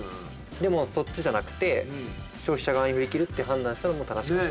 でもそっちじゃなくて消費者側に振り切るって判断したのも正しかった。